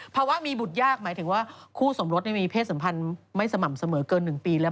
เพราะว่ามีบุตรยากหมายถึงว่าคู่สมรรถไม่มีเพศสัมพันธ์ไม่สม่ำเสมอเกินหนึ่งปีแล้ว